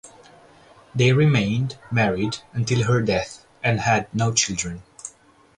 They remained married until her death and had no children.